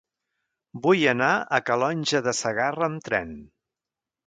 Vull anar a Calonge de Segarra amb tren.